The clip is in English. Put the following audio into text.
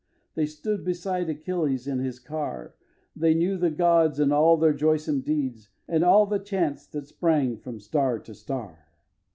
They stood beside Achilles in his car; They knew the gods and all their joysome deeds, And all the chants that sprang from star to star.